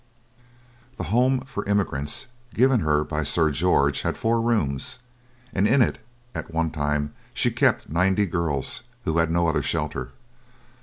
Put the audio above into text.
The home for the immigrants given her by Sir George had four rooms, and in it at one time she kept ninety girls who had no other shelter.